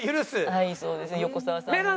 はいそうですね横澤さんなら。